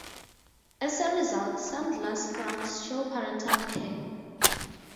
As a result, some glass frogs show parental care.